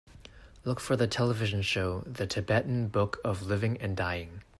look for the television show The Tibetan Book of Living and Dying